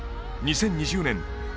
２０２０年